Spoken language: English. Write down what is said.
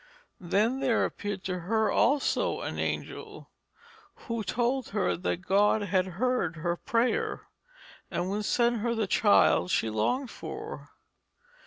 Then there appeared to her also an angel, who told her that God had heard her prayer and would send her the child she longed for.